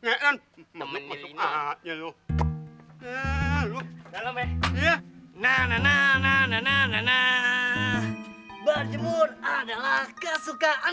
berjemur adalah kesukaanku